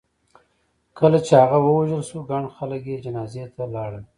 کله چې هغه ووژل شو ګڼ خلک یې جنازې ته لاړل.